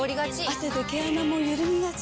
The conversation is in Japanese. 汗で毛穴もゆるみがち。